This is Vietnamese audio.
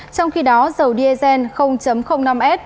trong khi đó dầu diazen năm s